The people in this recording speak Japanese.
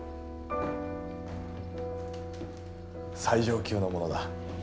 最上級のものだ。